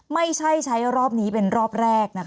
ไม่ใช่ใช้รอบนี้เป็นรอบแรกนะคะ